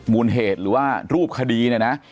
มูลเหตุหรือว่ารูปคดีเนี่ยนะ